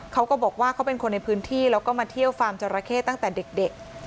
เขาก็บอกว่าเขาเป็นคนในพื้นที่แล้วก็มาเที่ยวฟาร์มจราเข้ตั้งแต่เด็ก